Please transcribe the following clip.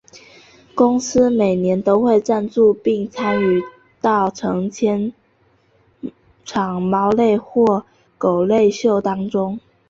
公司每年都会赞助并参与到成千场猫类或狗类秀当中。